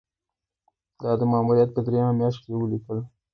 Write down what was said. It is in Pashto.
دا د ماموریت په دریمه میاشت کې یې ولیکل.